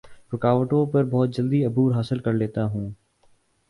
رکاوٹوں پر بہت جلدی عبور حاصل کر لیتا ہوں